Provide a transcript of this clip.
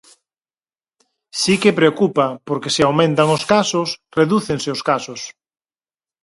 Si que preocupa porque se aumentan os casos, redúcense os casos.